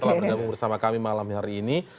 telah bergabung bersama kami malam hari ini